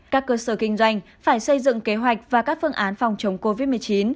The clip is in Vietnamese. các cơ sở kinh doanh phải xây dựng kế hoạch và các phương án phòng chống covid một mươi chín